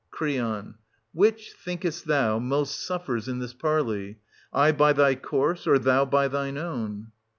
800 Cr. Which, thinkest thou, most suffers in this parley, — I by thy course, or thou by thine own